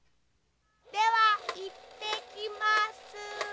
ではいってきます。